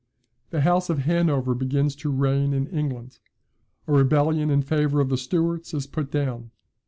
The House of Hanover begins to reign in England. A rebellion in favour of the Stuarts is put down.